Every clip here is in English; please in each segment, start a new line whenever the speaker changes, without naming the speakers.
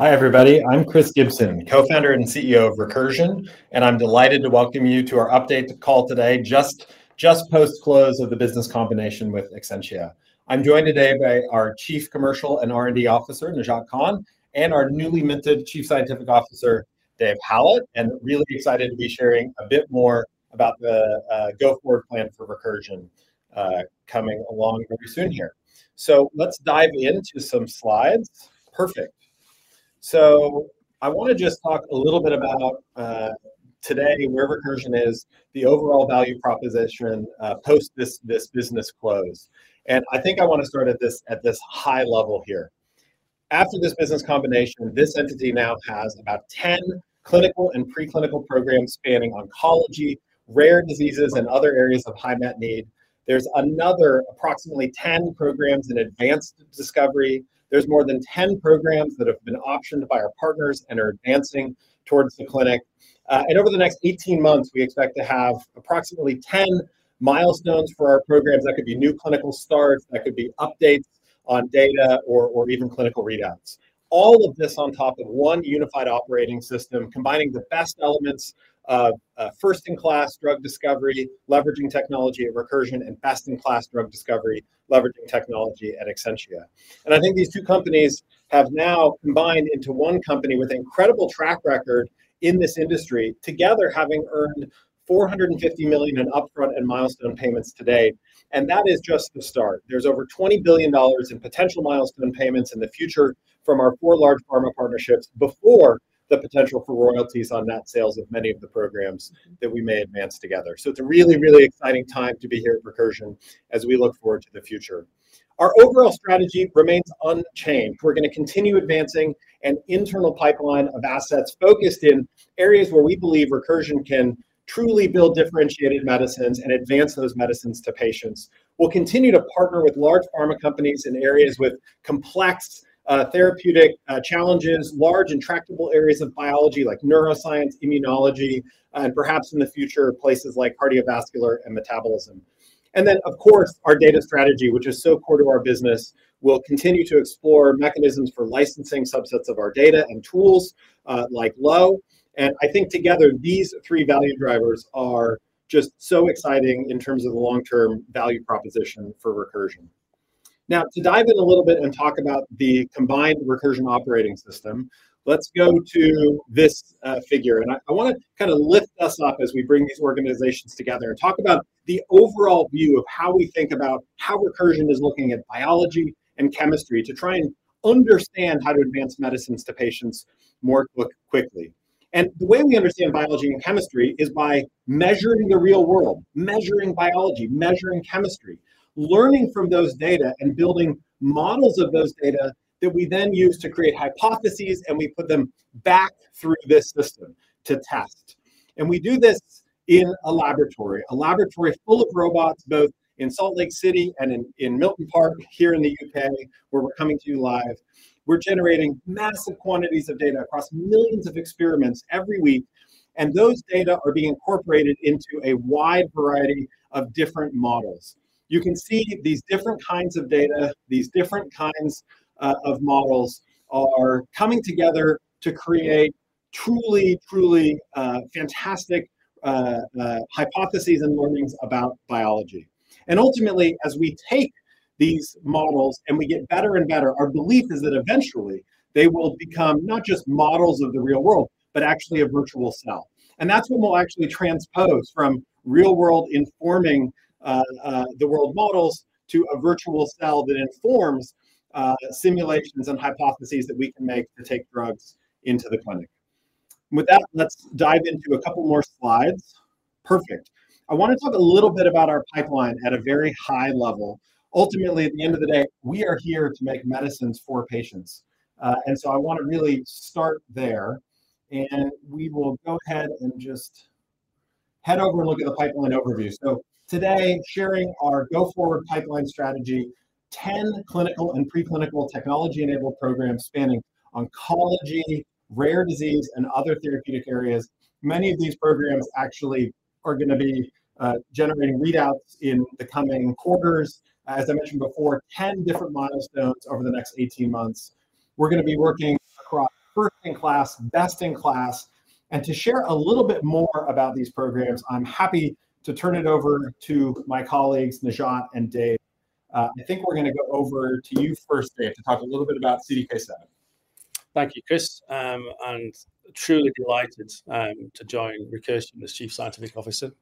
Hi, everybody. I'm Chris Gibson, Co-founder and CEO of Recursion, and I'm delighted to welcome you to our update call today, just post-close of the business combination with Exscientia. I'm joined today by our Chief Commercial and R&D Officer, Najat Khan, and our newly minted Chief Scientific Officer, Dave Hallett, and really excited to be sharing a bit more about the go-forward plan for Recursion coming along very soon here. So let's dive into some slides. Perfect. So I want to just talk a little bit about today, where Recursion is, the overall value proposition post this business close. And I think I want to start at this high level here. After this business combination, this entity now has about 10 clinical and preclinical programs spanning oncology, rare diseases, and other areas of high net need. There's another approximately 10 programs in advanced discovery. There's more than 10 programs that have been optioned by our partners and are advancing towards the clinic. And over the next 18 months, we expect to have approximately 10 milestones for our programs. That could be new clinical starts. That could be updates on data or even clinical readouts. All of this on top of one unified operating system, combining the best elements of first-in-class drug discovery, leveraging technology at Recursion, and best-in-class drug discovery, leveraging technology at Exscientia. And I think these two companies have now combined into one company with an incredible track record in this industry, together having earned $450 million in upfront and milestone payments today. And that is just the start. There's over $20 billion in potential milestone payments in the future from our four large pharma partnerships before the potential for royalties on net sales of many of the programs that we may advance together. So it's a really, really exciting time to be here at Recursion as we look forward to the future. Our overall strategy remains unchanged. We're going to continue advancing an internal pipeline of assets focused in areas where we believe Recursion can truly build differentiated medicines and advance those medicines to patients. We'll continue to partner with large pharma companies in areas with complex therapeutic challenges, large intractable areas of biology like neuroscience, immunology, and perhaps in the future, places like cardiovascular and metabolism. And then, of course, our data strategy, which is so core to our business, will continue to explore mechanisms for licensing subsets of our data and tools like LOWE. I think together, these three value drivers are just so exciting in terms of the long-term value proposition for Recursion. Now, to dive in a little bit and talk about the combined Recursion operating system, let's go to this figure. I want to kind of lift us up as we bring these organizations together and talk about the overall view of how we think about how Recursion is looking at biology and chemistry to try and understand how to advance medicines to patients more quickly. The way we understand biology and chemistry is by measuring the real world, measuring biology, measuring chemistry, learning from those data, and building models of those data that we then use to create hypotheses, and we put them back through this system to test. We do this in a laboratory, a laboratory full of robots, both in Salt Lake City and in Milton Park here in the U.K., where we're coming to you live. We're generating massive quantities of data across millions of experiments every week. Those data are being incorporated into a wide variety of different models. You can see these different kinds of data, these different kinds of models are coming together to create truly, truly fantastic hypotheses and learnings about biology. Ultimately, as we take these models and we get better and better, our belief is that eventually they will become not just models of the real world, but actually a virtual cell. That's what we'll actually transpose from real-world informing the world models to a virtual cell that informs simulations and hypotheses that we can make to take drugs into the clinic. With that, let's dive into a couple more slides. Perfect. I want to talk a little bit about our pipeline at a very high level. Ultimately, at the end of the day, we are here to make medicines for patients. So I want to really start there. We will go ahead and just head over and look at the pipeline overview. Today, sharing our go-forward pipeline strategy, 10 clinical and preclinical technology-enabled programs spanning oncology, rare disease, and other therapeutic areas. Many of these programs actually are going to be generating readouts in the coming quarters. As I mentioned before, 10 different milestones over the next 18 months. We're going to be working across first-in-class, best-in-class. To share a little bit more about these programs, I'm happy to turn it over to my colleagues, Najat and Dave. I think we're going to go over to you first, Dave, to talk a little bit about CDK7.
Thank you, Chris. I'm truly delighted to join Recursion as Chief Scientific Officer.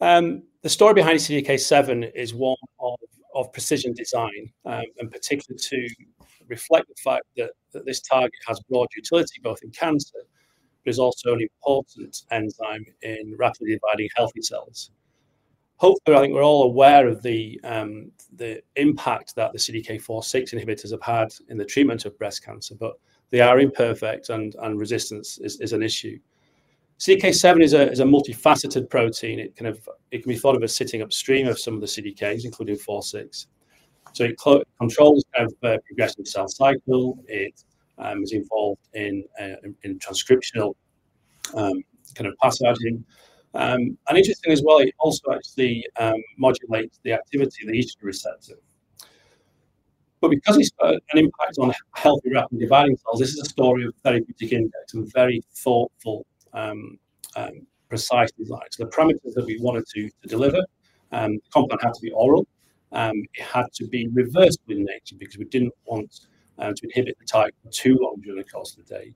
The story behind CDK7 is one of precision design, and particularly to reflect the fact that this target has broad utility, both in cancer, but is also an important enzyme in rapidly dividing healthy cells. Hopefully, I think we're all aware of the impact that the CDK4/6 inhibitors have had in the treatment of breast cancer, but they are imperfect, and resistance is an issue. CDK7 is a multifaceted protein. It can be thought of as sitting upstream of some of the CDKs, including CDK4/6. So it controls the progressive cell cycle. It is involved in transcriptional kind of passage, and interesting as well, it also actually modulates the activity of the estrogen receptor, but because it's an impact on healthy rapid dividing cells, this is a story of very predictive and very thoughtful precise design. So the parameters that we wanted to deliver, the compound had to be oral. It had to be reversible in nature because we didn't want to inhibit the target for too long during the course of the day.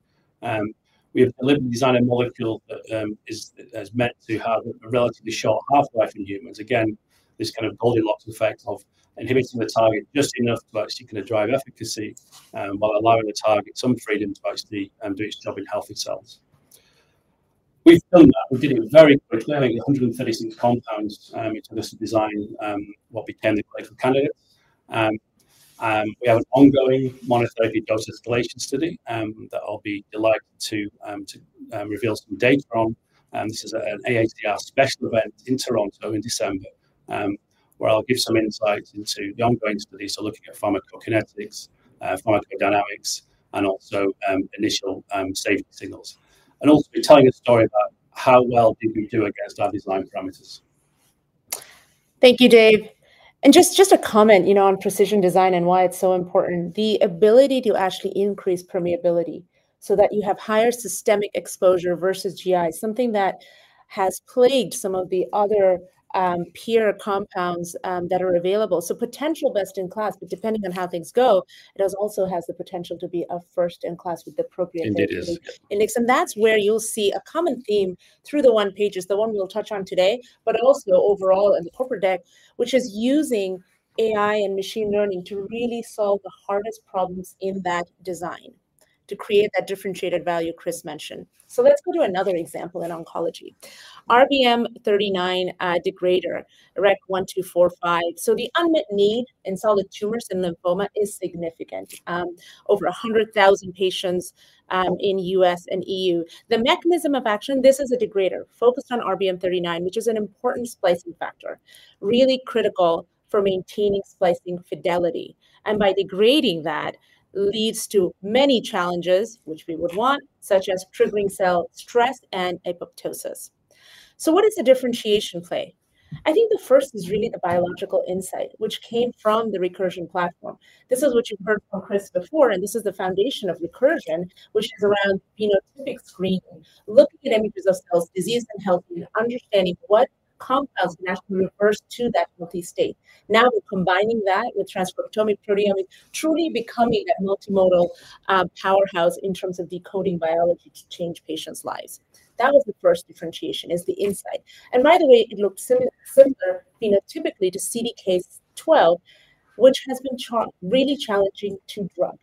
We have delivered a design molecule that is meant to have a relatively short half-life in humans. Again, this kind of Goldilocks effect of inhibiting the target just enough to actually kind of drive efficacy while allowing the target some freedom to actually do its job in healthy cells. We've done that. We did it very quickly. I think 136 compounds into this design, what became the clinical candidates. We have an ongoing monotherapy dose escalation study that I'll be delighted to reveal some data on. This is an AACR special event in Toronto in December, where I'll give some insights into the ongoing studies. So looking at pharmacokinetics, pharmacodynamics, and also initial safety signals. And also be telling a story about how well did we do against our design parameters?
Thank you, Dave, and just a comment on precision design and why it's so important, the ability to actually increase permeability so that you have higher systemic exposure versus GI, something that has plagued some of the other peer compounds that are available, so potential best-in-class, but depending on how things go, it also has the potential to be a first-in-class with the appropriate index, and that's where you'll see a common theme through the one pages, the one we'll touch on today, but also overall in the corporate deck, which is using AI and machine learning to really solve the hardest problems in that design to create that differentiated value Chris mentioned, so let's go to another example in oncology. RBM39 degrader, REC-1245, so the unmet need in solid tumors and lymphoma is significant. Over 100,000 patients in the U.S. and E.U. The mechanism of action, this is a degrader focused on RBM39, which is an important splicing factor, really critical for maintaining splicing fidelity, and by degrading that leads to many challenges, which we would want, such as triggering cell stress and apoptosis. So what is the differentiation play? I think the first is really the biological insight, which came from the Recursion platform. This is what you've heard from Chris before, and this is the foundation of Recursion, which is around phenotypic screening, looking at images of cells, disease and health, and understanding what compounds can actually reverse to that healthy state. Now we're combining that with transcriptomic proteomics, truly becoming a multimodal powerhouse in terms of decoding biology to change patients' lives. That was the first differentiation is the insight, and by the way, it looks similar phenotypically to CDK12, which has been really challenging to drug.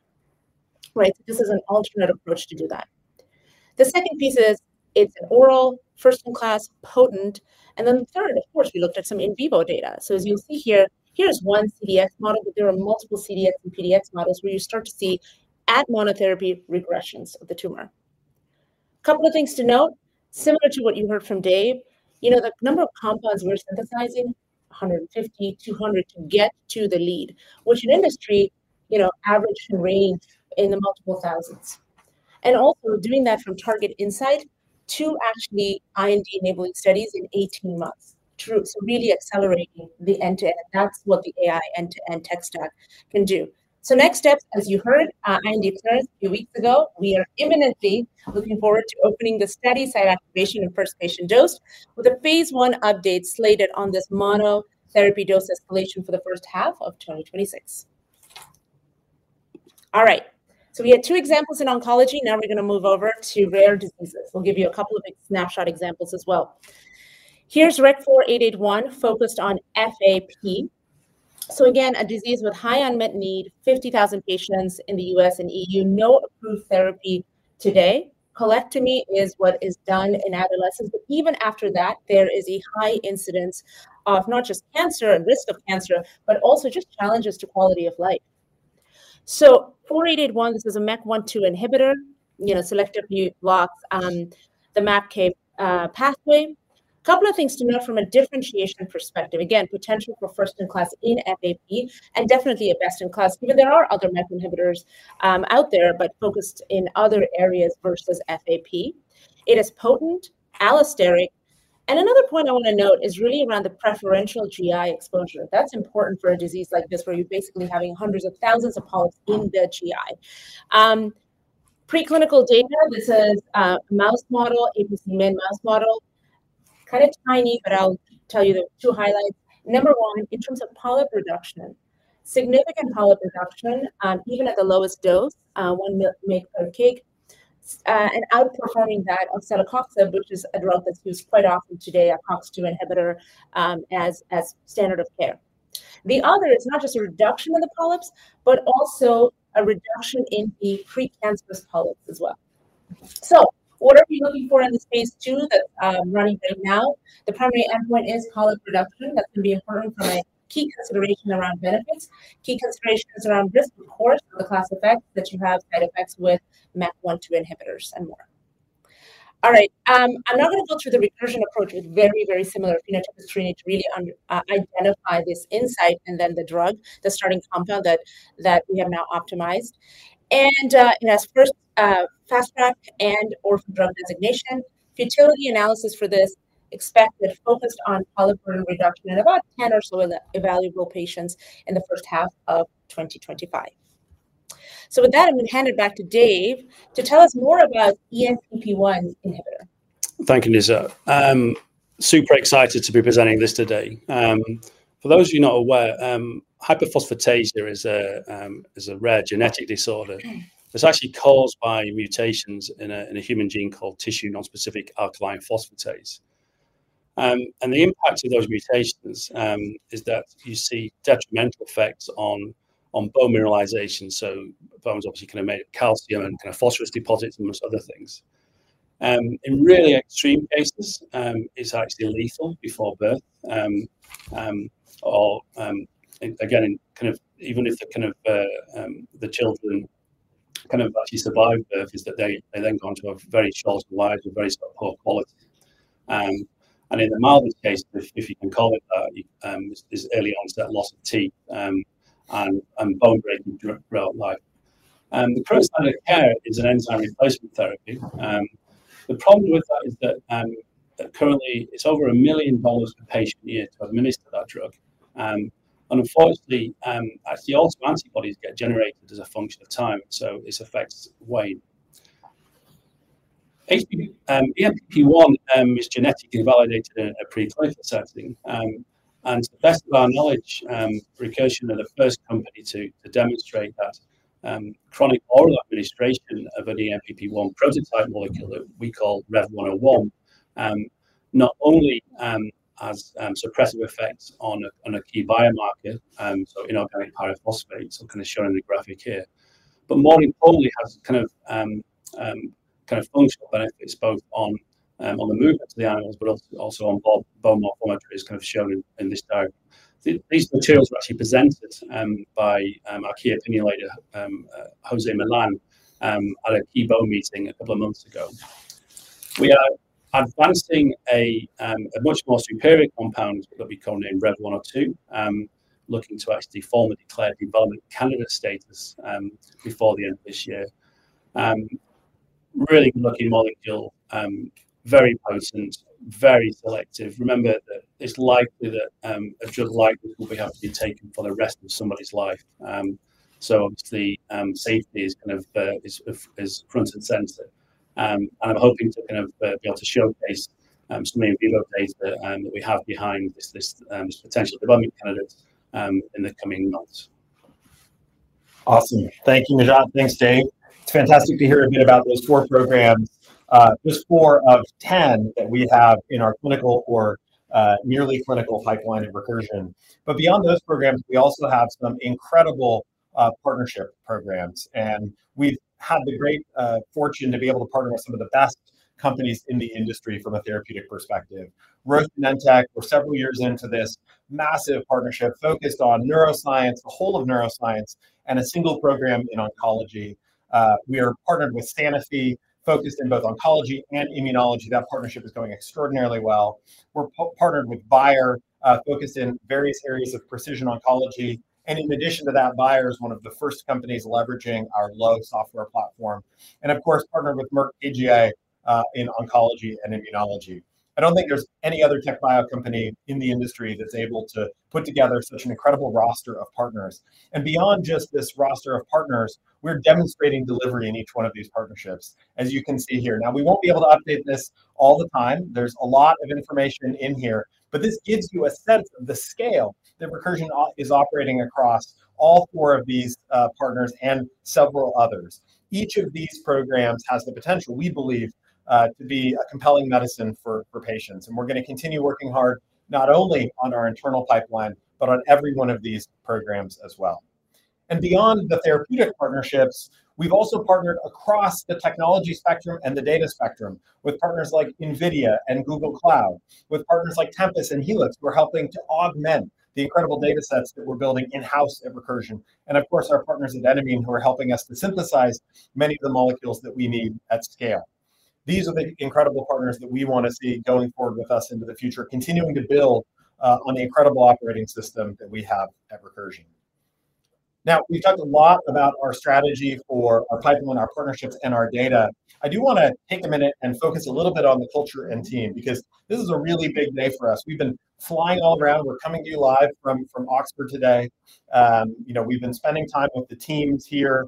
This is an alternate approach to do that. The second piece is it's an oral, first-in-class, potent, and then third, of course, we looked at some in vivo data. So as you'll see here, here's one CDX model, but there are multiple CDX and PDX models where you start to see at monotherapy regressions of the tumor. A couple of things to note, similar to what you heard from Dave, you know the number of compounds we're synthesizing, 150-200 to get to the lead, which in industry average can range in the multiple thousands. And also doing that from target insight to actually IND-enabling studies in 18 months, so really accelerating the end-to-end. That's what the AI end-to-end tech stack can do. So next steps, as you heard, IND clearance a few weeks ago. We are imminently looking forward to opening the study site activation and first patient dose with a phase I update slated on this monotherapy dose escalation for the first half of 2026. All right. So we had two examples in oncology. Now we're going to move over to rare diseases. We'll give you a couple of snapshot examples as well. Here's REC-4881 focused on FAP. So again, a disease with high unmet need, 50,000 patients in the U.S. and E.U., no approved therapy today. Colectomy is what is done in adolescence. But even after that, there is a high incidence of not just cancer and risk of cancer, but also just challenges to quality of life. So 4881, this is a MEK1/2 inhibitor, selectively blocks the MAPK pathway. A couple of things to note from a differentiation perspective. Again, potential for first-in-class in FAP, and definitely a best-in-class, even though there are other MEK inhibitors out there, but focused in other areas versus FAP. It is potent, allosteric. Another point I want to note is really around the preferential GI exposure. That's important for a disease like this where you're basically having hundreds of thousands of polyps in the GI. Preclinical data, this is a mouse model, APC min mouse model. Kind of tiny, but I'll tell you the two highlights. Number one, in terms of polyp reduction, significant polyp reduction, even at the lowest dose, 1 mg/kg, and outperforming that of celecoxib, which is a drug that's used quite often today, a COX-2 inhibitor as standard of care. The other, it's not just a reduction of the polyps, but also a reduction in the precancerous polyps as well. So what are we looking for in this phase two that's running right now? The primary endpoint is polyp reduction. That's going to be important from a key consideration around benefits. Key considerations around risk, of course, of the class effects that you have side effects with MEK1/2 inhibitors and more. All right. I'm not going to go through the Recursion approach with very, very similar phenotypic screening to really identify this insight and then the drug, the starting compound that we have now optimized. And as first Fast Track and/or Orphan Drug designation, futility analysis for this expected focused on polyp reduction in about 10 or so evaluable patients in the first half of 2025. So with that, I'm going to hand it back to Dave to tell us more about ENPP1 inhibitor.
Thank you, Najat. Super excited to be presenting this today. For those of you not aware, Hypophosphatasia is a rare genetic disorder. It's actually caused by mutations in a human gene called Tissue Non-specific Alkaline Phosphatase, and the impact of those mutations is that you see detrimental effects on bone mineralization. So bones obviously can emit calcium and kind of phosphorus deposits and other things. In really extreme cases, it's actually lethal before birth, or again, kind of even if the children kind of actually survive birth, it's that they then go on to have very short lives with very poor quality, and in the mildest case, if you can call it that, it's early onset loss of teeth and bone breaking throughout life. The current standard of care is an enzyme replacement therapy. The problem with that is that currently it's over $1 million per patient year to administer that drug, and unfortunately, actually also antibodies get generated as a function of time, so this affects weight. ENPP1 is genetically validated in a preclinical setting, and to the best of our knowledge, Recursion are the first company to demonstrate that chronic oral administration of an ENPP1 prototype molecule that we call Rev101, not only has suppressive effects on a key biomarker, so inorganic pyrophosphates, I'm kind of showing the graphic here, but more importantly, has kind of functional benefits both on the movement of the animals, but also on bone morphometry as kind of shown in this diagram. These materials were actually presented by our key opinion leader, José Luis Millán, at a key bone meeting a couple of months ago. We are advancing a much more superior compound that we call Rev102, looking to actually form a declared development candidate status before the end of this year. Really looking molecule, very potent, very selective. Remember that it's likely that a drug like this will be able to be taken for the rest of somebody's life. So obviously, safety is kind of front and center. And I'm hoping to kind of be able to showcase some of the in vivo data that we have behind this potential development candidate in the coming months.
Awesome. Thank you, Najat. Thanks, Dave. It's fantastic to hear a bit about those four programs. There's four of 10 that we have in our clinical or nearly clinical pipeline of Recursion. But beyond those programs, we also have some incredible partnership programs. And we've had the great fortune to be able to partner with some of the best companies in the industry from a therapeutic perspective. Roche and Genentech were several years into this massive partnership focused on neuroscience, the whole of neuroscience, and a single program in oncology. We are partnered with Sanofi, focused in both oncology and immunology. That partnership is going extraordinarily well. We're partnered with Bayer, focused in various areas of precision oncology. And in addition to that, Bayer is one of the first companies leveraging our LOWE software platform. And of course, partnered with Merck KGaA in oncology and immunology. I don't think there's any other TechBio company in the industry that's able to put together such an incredible roster of partners. And beyond just this roster of partners, we're demonstrating delivery in each one of these partnerships, as you can see here. Now, we won't be able to update this all the time. There's a lot of information in here. But this gives you a sense of the scale that Recursion is operating across all four of these partners and several others. Each of these programs has the potential, we believe, to be a compelling medicine for patients. And we're going to continue working hard not only on our internal pipeline, but on every one of these programs as well. Beyond the therapeutic partnerships, we've also partnered across the technology spectrum and the data spectrum with partners like NVIDIA and Google Cloud, with partners like Tempus and Helix, who are helping to augment the incredible data sets that we're building in-house at Recursion. Of course, our partners at Enamine, who are helping us to synthesize many of the molecules that we need at scale. These are the incredible partners that we want to see going forward with us into the future, continuing to build on the incredible operating system that we have at Recursion. Now, we've talked a lot about our strategy for our pipeline, our partnerships, and our data. I do want to take a minute and focus a little bit on the culture and team because this is a really big day for us. We've been flying all around. We're coming to you live from Oxford today. We've been spending time with the teams here.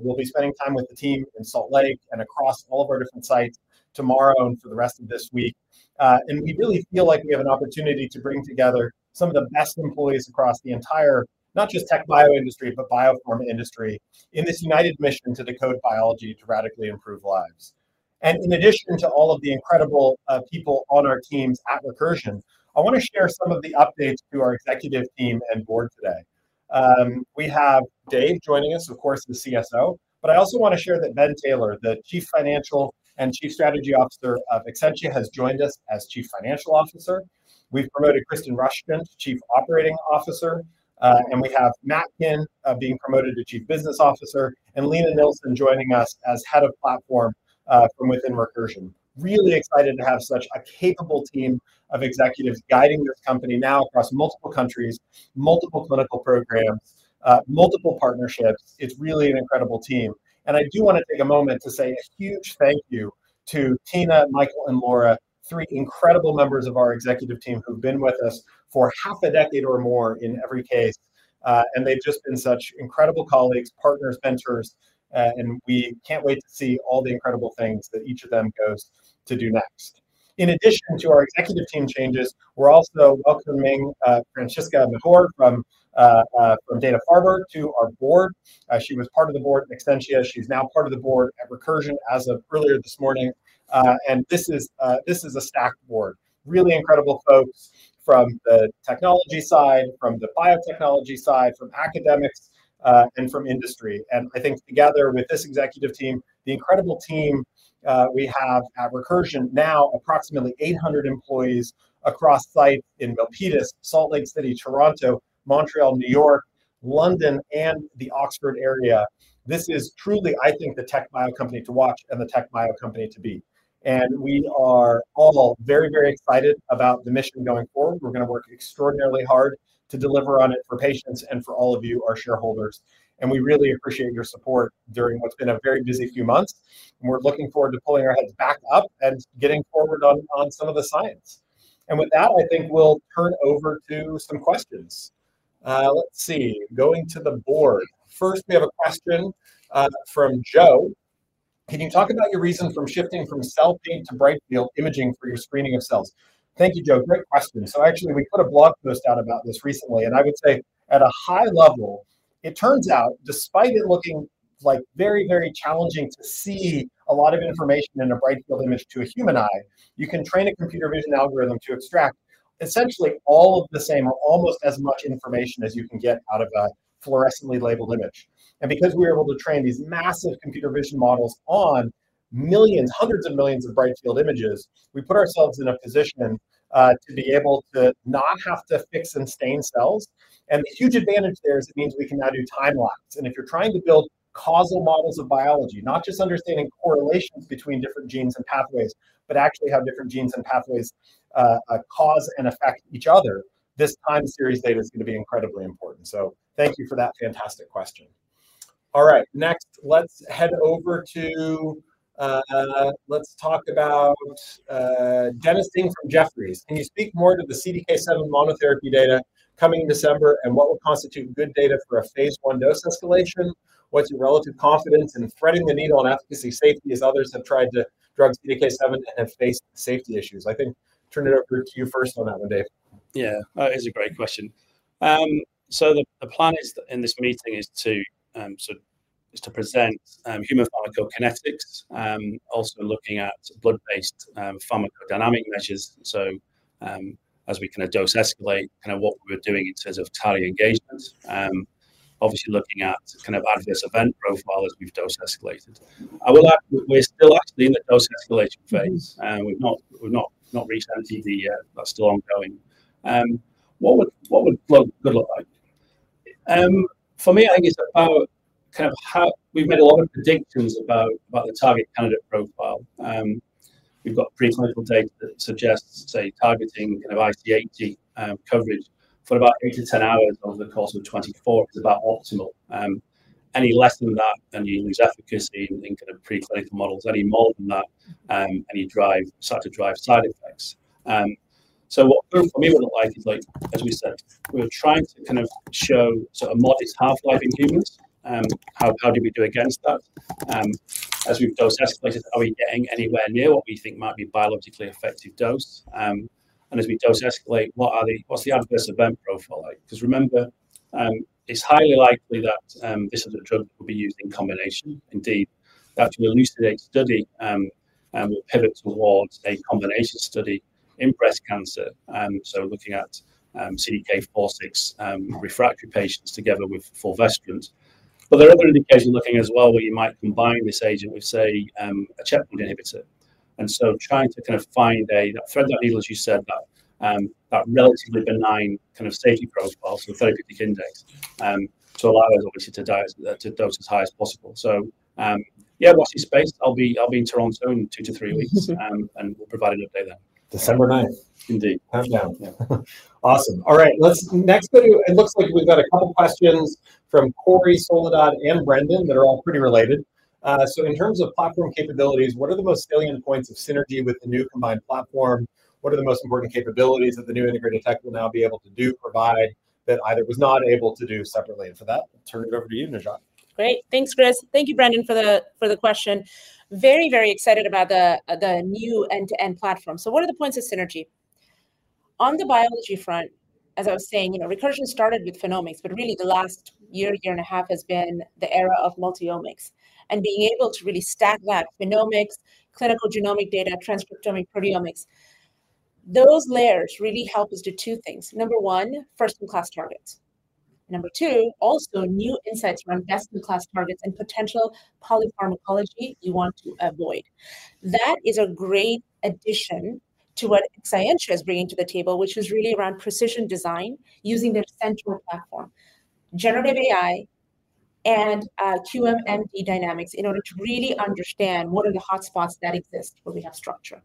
We'll be spending time with the team in Salt Lake and across all of our different sites tomorrow and for the rest of this week. And we really feel like we have an opportunity to bring together some of the best employees across the entire, not just TechBio industry, but bio pharma industry in this united mission to decode biology to radically improve lives. And in addition to all of the incredible people on our teams at Recursion, I want to share some of the updates to our executive team and board today. We have Dave joining us, of course, the CSO. But I also want to share that Ben Taylor, the Chief Financial and Chief Strategy Officer of Exscientia, has joined us as Chief Financial Officer. We've promoted Kristen Rushton to Chief Operating Officer. And we have Matt Kinn being promoted to Chief Business Officer and Lina Nilsson joining us as Head of Platform from within Recursion. Really excited to have such a capable team of executives guiding this company now across multiple countries, multiple clinical programs, multiple partnerships. It's really an incredible team. And I do want to take a moment to say a huge thank you to Tina, Michael, and Laura, three incredible members of our executive team who've been with us for half a decade or more in every case. And they've just been such incredible colleagues, partners, mentors. And we can't wait to see all the incredible things that each of them goes to do next. In addition to our executive team changes, we're also welcoming Franziska Michor from Dana-Farber Cancer Institute to our board. She was part of the board at Exscientia. She's now part of the board at Recursion as of earlier this morning. And this is a stacked board. Really incredible folks from the technology side, from the biotechnology side, from academics, and from industry. And I think together with this executive team, the incredible team we have at Recursion now, approximately 800 employees across sites in Milpitas, Salt Lake City, Toronto, Montreal, New York, London, and the Oxford area. This is truly, I think, the TechBio company to watch and the TechBio company to be. And we are all very, very excited about the mission going forward. We're going to work extraordinarily hard to deliver on it for patients and for all of you, our shareholders. And we really appreciate your support during what's been a very busy few months. We're looking forward to pulling our heads back up and getting forward on some of the science. With that, I think we'll turn over to some questions. Let's see. Going to the board. First, we have a question from Joe. Can you talk about your reason from shifting from cell painting to bright-field imaging for your screening of cells? Thank you, Joe. Great question. Actually, we put a blog post out about this recently. I would say at a high level, it turns out, despite it looking like very, very challenging to see a lot of information in a bright-field image to a human eye, you can train a computer vision algorithm to extract essentially all of the same or almost as much information as you can get out of a fluorescently labeled image. And because we were able to train these massive computer vision models on millions, hundreds of millions of bright-field images, we put ourselves in a position to be able to not have to fix and stain cells. And the huge advantage there is it means we can now do time lapse. And if you're trying to build causal models of biology, not just understanding correlations between different genes and pathways, but actually how different genes and pathways cause and affect each other, this time series data is going to be incredibly important. So thank you for that fantastic question. All right. Next, let's head over to talk about Dennis Ding from Jefferies. Can you speak more to the CDK7 monotherapy data coming December and what will constitute good data for a phase one dose escalation? What's your relative confidence in threading the needle on efficacy safety as others have tried to drug CDK7 and have faced safety issues? I think turn it over to you first on that one, Dave.
Yeah, that is a great question. So the plan in this meeting is to present human pharmacokinetics, also looking at blood-based pharmacodynamic measures. So as we kind of dose escalate, kind of what we were doing in terms of target engagement, obviously looking at kind of adverse event profile as we've dose escalated. I will add that we're still actually in the dose escalation phase. We've not reached the end, that's still ongoing. What would good look like? For me, I think it's about kind of how we've made a lot of predictions about the target candidate profile. We've got preclinical data that suggests, say, targeting kind of IC80 coverage for about eight to 10 hours over the course of 24 is about optimal. Any less than that, then you lose efficacy in kind of preclinical models. Any more than that, then you start to drive side effects. So what for me would look like is, as we said, we were trying to kind of show sort of modest half-life in humans. How did we do against that? As we've dose escalated, are we getting anywhere near what we think might be biologically effective dose? And as we dose escalate, what's the adverse event profile like? Because remember, it's highly likely that this is a drug that will be used in combination. Indeed, that's an elucidated study. We'll pivot towards a combination study in breast cancer. So looking at CDK4/6 refractory patients together with fulvestrant. But there are other indications looking as well where you might combine this agent with, say, a checkpoint inhibitor. And so trying to kind of find a way to thread the needle, as you said, that relatively benign kind of safety profile to the therapeutic index to allow us, obviously, to dose as high as possible. So yeah, while he's speaking, I'll be in Toronto in two to three weeks, and we'll provide an update then.
December 9th.
Indeed.
Countdown.
Yeah.
Awesome. All right. Let's next go to it. It looks like we've got a couple of questions from Corey, Soledad, and Brendan that are all pretty related. So in terms of platform capabilities, what are the most salient points of synergy with the new combined platform? What are the most important capabilities that the new integrated tech will now be able to do, provide that either was not able to do separately? And for that, I'll turn it over to you, Najat.
Great. Thanks, Chris. Thank you, Brendan, for the question. Very, very excited about the new end-to-end platform. So what are the points of synergy? On the biology front, as I was saying, Recursion started with phenomics, but really the last year, year and a half has been the era of multiomics. And being able to really stack that phenomics, clinical genomic data, transcriptomics, proteomics, those layers really help us do two things. Number one, first-in-class targets. Number two, also new insights around best-in-class targets and potential polypharmacology you want to avoid. That is a great addition to what Exscientia is bringing to the table, which is really around precision design using their central platform, generative AI and QM/MD dynamics in order to really understand what are the hotspots that exist where we have structure.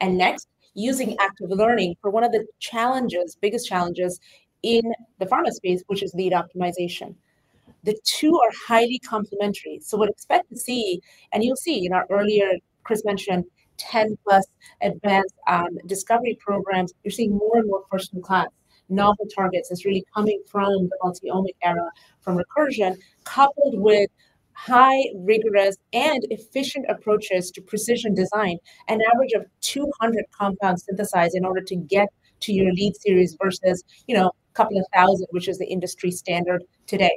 And next, using active learning for one of the biggest challenges in the pharma space, which is lead optimization. The two are highly complementary. So we'll expect to see, and you'll see in our earlier, Chris mentioned, 10+ advanced discovery programs. You're seeing more and more first-in-class novel targets that's really coming from the multiomic era from Recursion, coupled with high, rigorous, and efficient approaches to precision design, an average of 200 compounds synthesized in order to get to your lead series versus a couple of thousand, which is the industry standard today.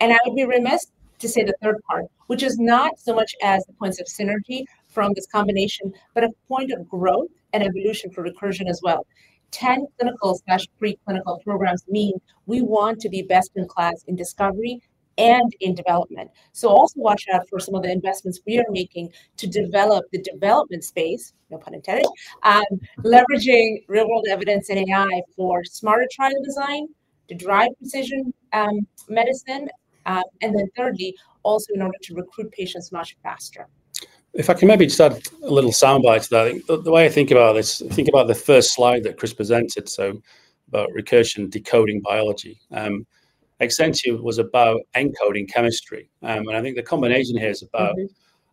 And I would be remiss to say the third part, which is not so much as the points of synergy from this combination, but a point of growth and evolution for Recursion as well. 10 clinical/preclinical programs mean we want to be best in class in discovery and in development. So also watch out for some of the investments we are making to develop the development space, no pun intended, leveraging real-world evidence and AI for smarter trial design to drive precision medicine. And then thirdly, also in order to recruit patients much faster.
If I can maybe just add a little sound bite to that. The way I think about this, I think about the first slide that Chris presented, so about Recursion decoding biology. Exscientia was about encoding chemistry. And I think the combination here is about,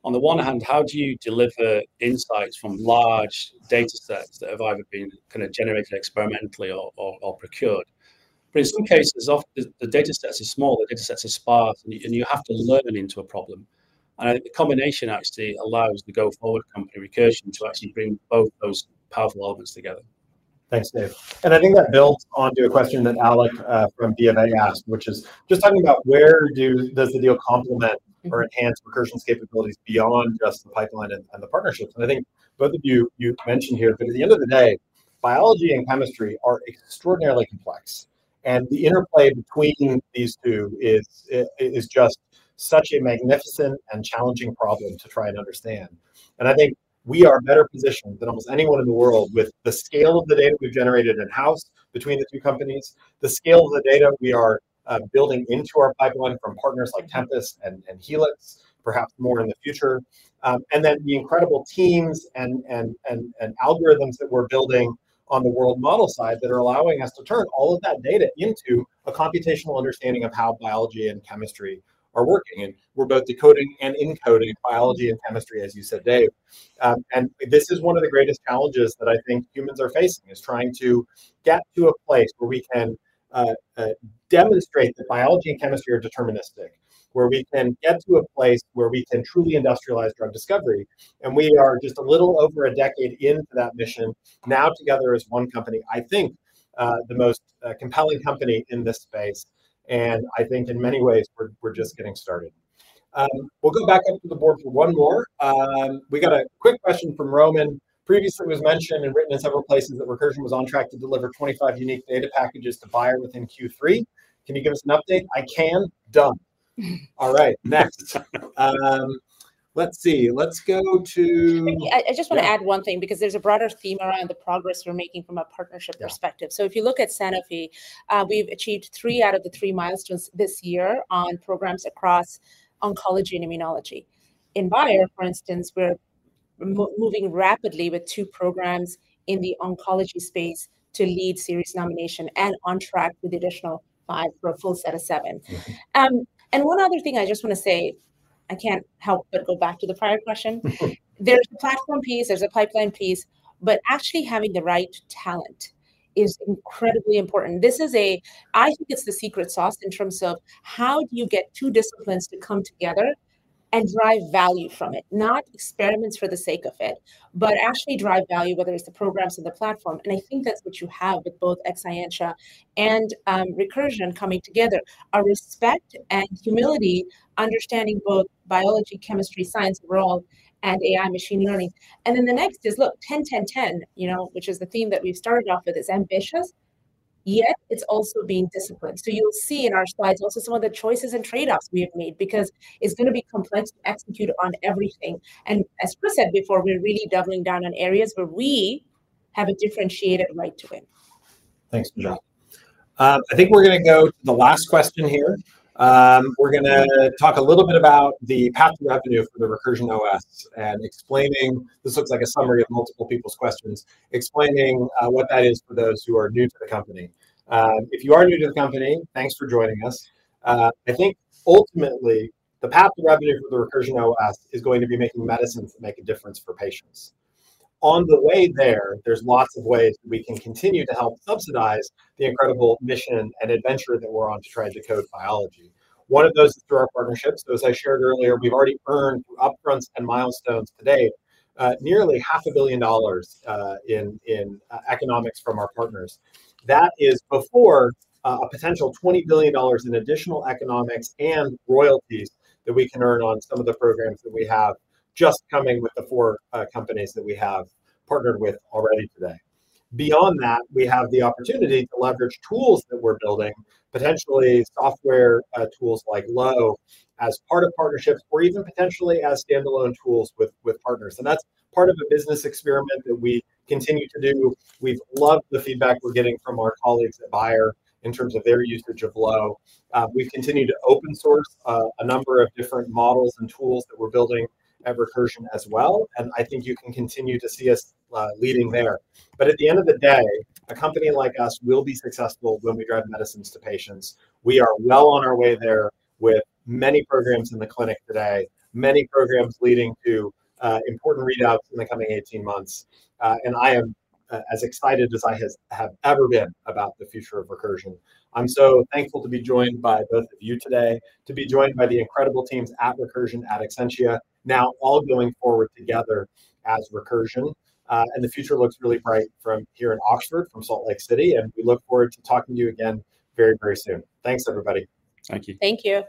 on the one hand, how do you deliver insights from large data sets that have either been kind of generated experimentally or procured? But in some cases, often the data sets are small, and you have to learn into a problem. And I think the combination actually allows the go-forward company, Recursion, to actually bring both those powerful elements together.
Thanks, Dave. And I think that builds onto a question that Alec from BofA asked, which is just talking about where does the deal complement or enhance Recursion's capabilities beyond just the pipeline and the partnerships. And I think both of you mentioned here, but at the end of the day, biology and chemistry are extraordinarily complex. And the interplay between these two is just such a magnificent and challenging problem to try and understand. I think we are better positioned than almost anyone in the world with the scale of the data we've generated in-house between the two companies, the scale of the data we are building into our pipeline from partners like Tempus and Helix, perhaps more in the future, and then the incredible teams and algorithms that we're building on the world model side that are allowing us to turn all of that data into a computational understanding of how biology and chemistry are working. We're both decoding and encoding biology and chemistry, as you said, Dave. This is one of the greatest challenges that I think humans are facing: trying to get to a place where we can demonstrate that biology and chemistry are deterministic, where we can get to a place where we can truly industrialize drug discovery. And we are just a little over a decade into that mission now together as one company, I think the most compelling company in this space. And I think in many ways, we're just getting started. We'll go back up to the board for one more. We got a quick question from Roman. Previously, it was mentioned and written in several places that Recursion was on track to deliver 25 unique data packages to Bayer within Q3. Can you give us an update? I can. Done. All right. Next. Let's see. Let's go to.
I just want to add one thing because there's a broader theme around the progress we're making from a partnership perspective, so if you look at Sanofi, we've achieved three out of the three milestones this year on programs across oncology and immunology. In Bayer, for instance, we're moving rapidly with two programs in the oncology space to lead series nomination and on track with the additional five for a full set of seven. One other thing I just want to say, I can't help but go back to the prior question. There's a platform piece, there's a pipeline piece, but actually having the right talent is incredibly important. This is a, I think it's the secret sauce in terms of how do you get two disciplines to come together and drive value from it, not experiments for the sake of it, but actually drive value, whether it's the programs and the platform. And I think that's what you have with both Exscientia and Recursion coming together, a respect and humility, understanding both biology, chemistry, science world, and AI machine learning. And then the next is, look, 10-10-10, which is the theme that we've started off with, is ambitious, yet it's also being disciplined. So you'll see in our slides also some of the choices and trade-offs we have made because it's going to be complex to execute on everything. And as Chris said before, we're really doubling down on areas where we have a differentiated right to win.
Thanks, Najat. I think we're going to go to the last question here. We're going to talk a little bit about the path to revenue for the Recursion OS and explaining this. This looks like a summary of multiple people's questions, explaining what that is for those who are new to the company. If you are new to the company, thanks for joining us. I think ultimately, the path to revenue for the Recursion OS is going to be making medicines that make a difference for patients. On the way there, there's lots of ways that we can continue to help subsidize the incredible mission and adventure that we're on to try to decode biology. One of those is through our partnerships. As I shared earlier, we've already earned through upfronts and milestones to date nearly $500 million in economics from our partners. That is before a potential $20 billion in additional economics and royalties that we can earn on some of the programs that we have just coming with the four companies that we have partnered with already today. Beyond that, we have the opportunity to leverage tools that we're building, potentially software tools like LOWE as part of partnerships or even potentially as standalone tools with partners. And that's part of a business experiment that we continue to do. We've loved the feedback we're getting from our colleagues at Bayer in terms of their usage of LOWE. We've continued to open source a number of different models and tools that we're building at Recursion as well. And I think you can continue to see us leading there. But at the end of the day, a company like us will be successful when we drive medicines to patients. We are well on our way there with many programs in the clinic today, many programs leading to important readouts in the coming 18 months. And I am as excited as I have ever been about the future of Recursion. I'm so thankful to be joined by both of you today, to be joined by the incredible teams at Recursion, at Exscientia, now all going forward together as Recursion. And the future looks really bright from here in Oxford, from Salt Lake City, and we look forward to talking to you again very, very soon. Thanks, everybody.
Thank you.
Thank you.